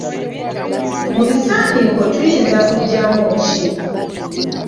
Mu bisaniiko tuyinza kuggyamu ki?